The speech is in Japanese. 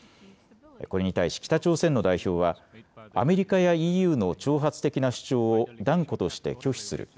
これに対し北朝鮮の代表はアメリカやＥＵの挑発的な主張を断固として拒否する。